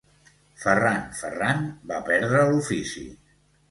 Ferrant, ferrant va perdre l'ofici.